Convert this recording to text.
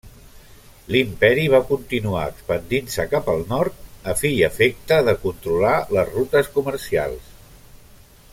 L'imperi va continuar expandint-se cap al nord, a fi i efecte controlar les rutes comercials.